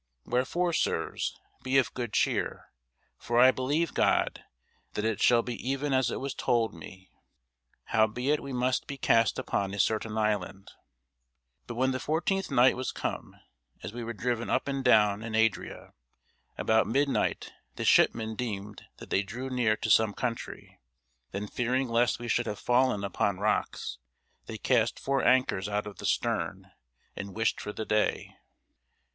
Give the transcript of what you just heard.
Wherefore, sirs, be of good cheer: for I believe God, that it shall be even as it was told me. Howbeit we must be cast upon a certain island. [Sidenote: The Acts 28] But when the fourteenth night was come, as we were driven up and down in Adria, about midnight the shipmen deemed that they drew near to some country. Then fearing lest we should have fallen upon rocks, they cast four anchors out of the stern, and wished for the day.